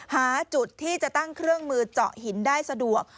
หาจุดที่จะตั้งเครื่องมือเจาะหินได้สะดวก